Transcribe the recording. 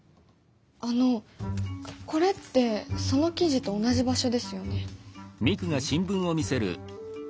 あのこれってその記事と同じ場所ですよね？